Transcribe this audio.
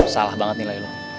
salah banget nilai lo